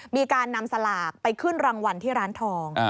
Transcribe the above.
มีการนำสลากไปขึ้นรางวัลที่ร้านทอง